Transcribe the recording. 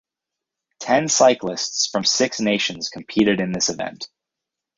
Ten cyclists from six nations competed in this event.